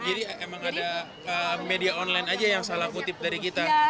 jadi emang ada media online aja yang salah kutip dari kita